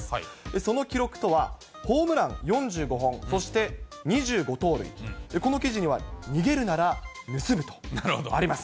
その記録とは、ホームラン４５本、そして２５盗塁、この記事には、逃げるなら盗むとあります。